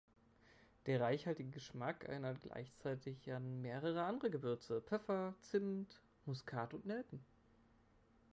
Der reichhaltige Geschmack erinnert gleichzeitig an mehrere andere Gewürze: Pfeffer, Zimt, Muskat und Nelken.